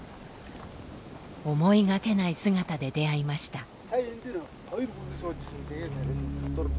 思いがけない姿で出会いました。